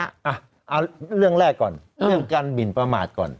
เอาเรื่องแรกก่อนเรื่องการหมินประมาทก่อน